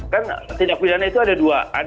kan tindak pidana itu ada dua